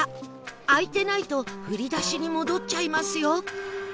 開いてないと振り出しに戻っちゃいますよ